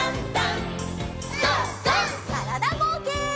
からだぼうけん。